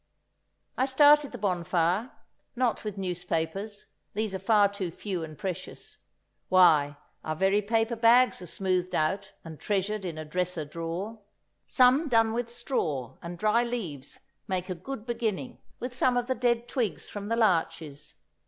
I started the bonfire—not with newspapers, these are far too few and precious; why, our very paper bags are smoothed out and treasured in a dresser drawer; some done with straw and dry leaves make a good beginning, with some of the dead twigs from the larches.